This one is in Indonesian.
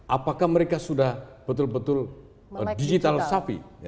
apakah mereka sudah betul betul digital safee